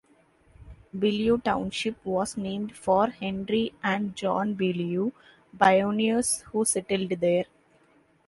Beaulieu Township was named for Henry and John Beaulieu, pioneers who settled there.